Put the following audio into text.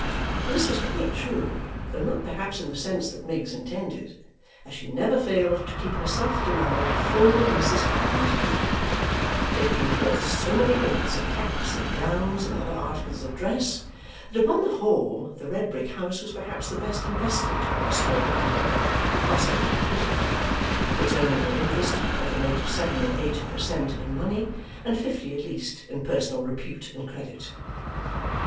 This was quite true, though not perhaps in the sense that Miggs intended. As she never failed to keep her self denial full in Mrs Varden's view, it drew forth so many gifts of caps and gowns and other articles of dress, that upon the whole the red brick house was perhaps the best investment for her small capital she could possibly have hit upon; returning her interest, at the rate of seven or eight per cent in money, and fifty at least in personal repute and credit.